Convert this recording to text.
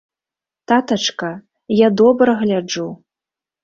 Татачка, я добра гляджу!